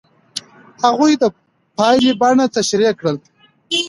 هغوی د پایلې بڼه تشریح کوي.